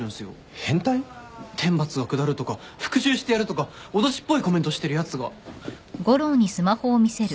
「天罰が下る」とか「復讐してやる」とか脅しっぽいコメントしてるやつが。